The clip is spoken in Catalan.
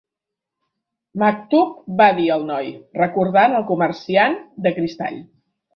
"Maktub", va dir el noi, recordant el comerciant de cristall.